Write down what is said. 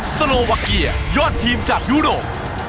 สโนวักเกียร์ยอดทีมจากยูโรป